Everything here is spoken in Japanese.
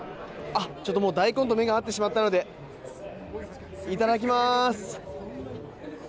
もう大根と目が合ってしまったのでいただきます。